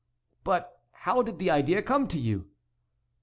"But how did the idea come to you?"